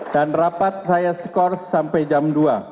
dan rapat saya skor sampai jam dua